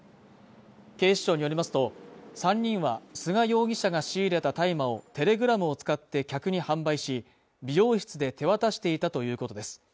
警視庁によりますと、３人は菅容疑者が仕入れた大麻をＴｅｌｅｇｒａｍを使って客に販売し、美容室で手渡していたということです。